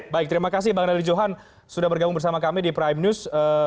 baik terima kasih bang dani johan sudah bergabung bersama kami di prime news